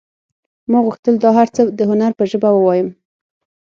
ما غوښتل دا هر څه د هنر په ژبه ووایم